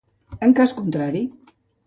En cas contrari.